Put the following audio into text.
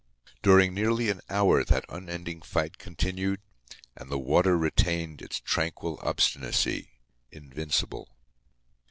During nearly an hour that unending fight continued. And the water retained its tranquil obstinacy, invincible.